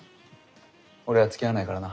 俺はつきあわないからな。